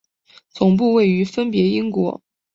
总部位于分别英国。